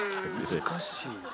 難しいで。